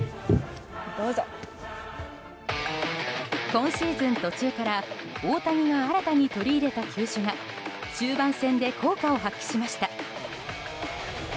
今シーズン途中から大谷が新たに取り入れた球種が終盤戦で効果を発揮しました。